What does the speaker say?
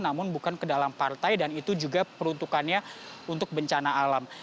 namun bukan ke dalam partai dan itu juga peruntukannya untuk bencana alam